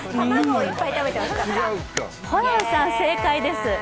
ホランさん、正解です。